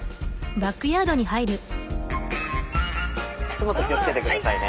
足元気を付けてくださいね。